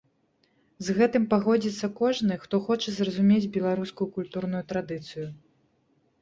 З гэтым пагодзіцца кожны, хто хоча зразумець беларускую культурную традыцыю.